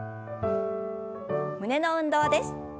胸の運動です。